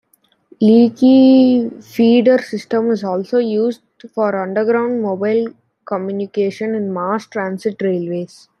Leaky feeder system is also used for underground mobile communication in mass transit railways.